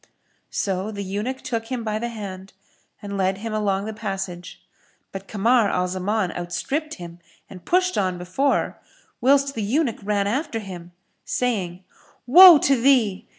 So the eunuch took him by the hand and led him along the passage; but Kamar al Zaman outstripped him and pushed on before, whilst the eunuch ran after him, saying, "Woe to thee!